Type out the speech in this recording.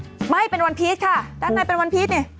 ไม่เป็นวันพีชค่ะด้านในเป็นวันพีชนี่